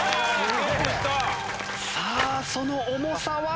さあその重さは？